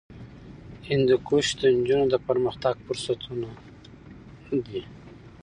هندوکش د نجونو د پرمختګ فرصتونه دي.